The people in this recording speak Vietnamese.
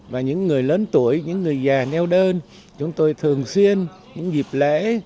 và những người lớn tuổi những người già neo đơn chúng tôi thường xuyên những dịp lễ